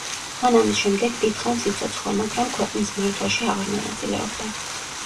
მან ამის შემდეგ დიდხანს იცოცხლა, მაგრამ ქვეყნის მართვაში აღარ მონაწილეობდა.